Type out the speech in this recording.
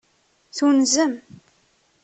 Tunzem.